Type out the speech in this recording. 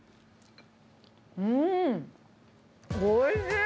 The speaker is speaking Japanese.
うーん、おいしい。